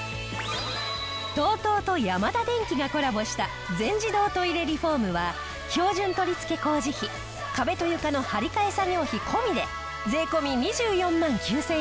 ＴＯＴＯとヤマダデンキがコラボした全自動トイレリフォームは標準取り付け工事費壁と床の張り替え作業費込みで税込２４万９０００円。